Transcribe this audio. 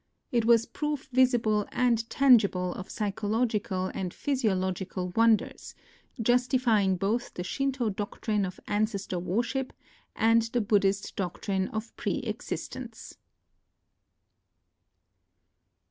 It was proof visible and tangible of psychological and physiological wonders justifying both the NOTES OF A TRIP TO KYOTO 49 Shinto doctrine of ancestor worship and the Buddhist doctrine of preexistence.